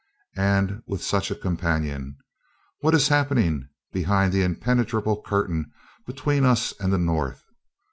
And with such a companion! What is happening behind the impenetrable curtain between us and the North?